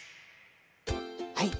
はい。